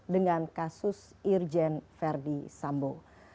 dengan kasus irjen verdi sambo